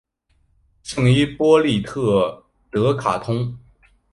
圣伊波利特德卡通。